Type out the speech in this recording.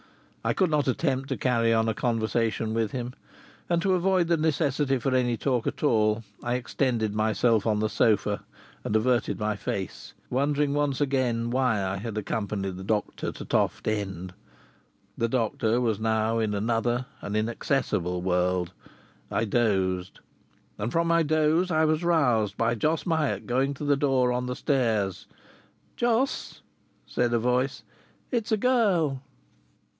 I could not attempt to carry on a conversation with him, and to avoid the necessity for any talk at all, I extended myself on the sofa and averted my face, wondering once again why I had accompanied the doctor to Toft End. The doctor was now in another, an inaccessible world. I dozed, and from my doze I was roused by Jos Myatt going to the door on the stairs. "Jos," said a voice. "It's a girl."